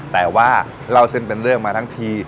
แต่ว่าเล่าเส้นเป็นเรื่องมาทั้งที